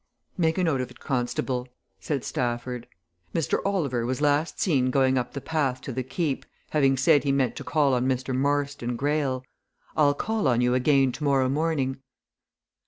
"Make a note of it, constable," said Stafford. "Mr. Oliver was last seen going up the path to the Keep, having said he meant to call on Mr. Marston Greyle. I'll call on you again tomorrow morning.